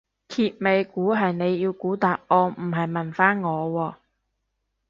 揭尾故係你要估答案唔係問返我喎